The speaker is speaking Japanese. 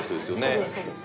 そうですそうです。